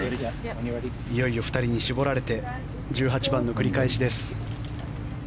いよいよ２人に絞られて１８番の繰り返しです。